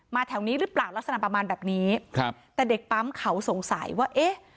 แถวนี้หรือเปล่าลักษณะประมาณแบบนี้ครับแต่เด็กปั๊มเขาสงสัยว่าเอ๊ะ